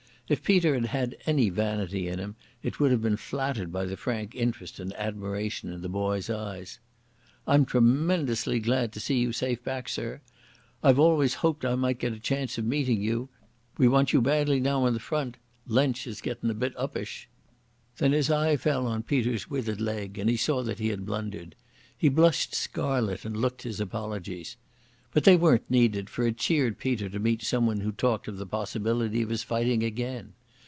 If Peter had had any vanity in him it would have been flattered by the frank interest and admiration in the boy's eyes. "I'm tremendously glad to see you safe back, sir. I've always hoped I might have a chance of meeting you. We want you badly now on the front. Lensch is gettin' a bit uppish." Then his eye fell on Peter's withered leg and he saw that he had blundered. He blushed scarlet and looked his apologies. But they weren't needed, for it cheered Peter to meet someone who talked of the possibility of his fighting again.